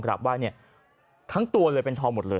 กราบไหว้เนี่ยทั้งตัวเลยเป็นทองหมดเลย